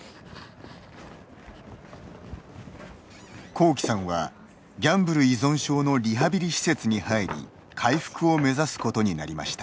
こうきさんはギャンブル依存症のリハビリ施設に入り回復を目指すことになりました。